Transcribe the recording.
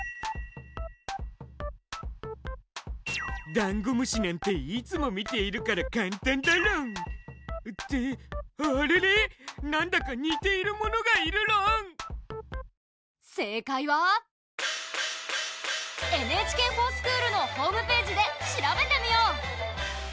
ダンゴムシなんていつも見ているから簡単だろん！ってあれれなんだか似ているものがいるろん⁉正解は「ＮＨＫｆｏｒＳｃｈｏｏｌ」のホームページで調べてみよう！